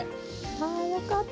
あよかった。